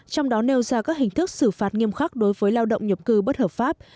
trong đó nêu ra các hình thức xử phạt nghiêm khắc đối với lao động nhập cư bất hợp pháp